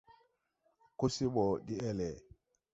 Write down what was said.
Ko se ɓɔ de ɛlɛ.